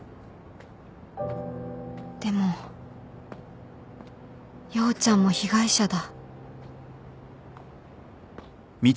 でも陽ちゃんも被害者だ